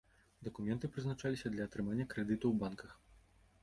Дакументы прызначаліся для атрымання крэдытаў у банках.